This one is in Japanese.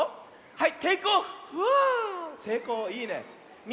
はい。